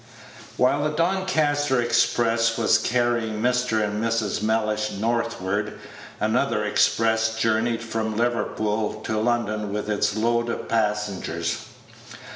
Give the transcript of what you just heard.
While the Doncaster express was carrying Mr. and Mrs. Mellish northward, another express journeyed from Liverpool to London with its load of passengers.